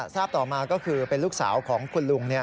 ทราบต่อมาก็คือเป็นลูกสาวของคุณลุง